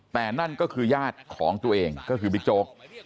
แต่นั่นก็คือญาติของตัวเองก็คือบิ๊กโจ๊ก